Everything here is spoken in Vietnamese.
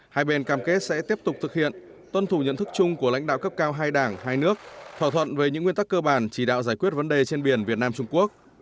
hai bên cam kết sẽ tiếp tục thực hiện tuân thủ nhận thức chung của lãnh đạo cấp cao hai đảng hai nước thỏa thuận về những nguyên tắc cơ bản chỉ đạo giải quyết vấn đề trên biển việt nam trung quốc